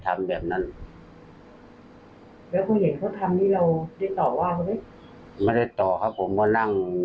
ครับได้กรมก็ไม่ได้อะไรกันจริง